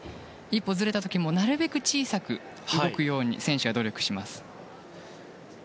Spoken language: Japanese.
１歩ずれた時もなるべく小さく動くように、選手は努力します。